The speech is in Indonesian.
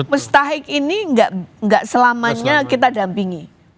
mustahik ini nggak selamanya kita dampingi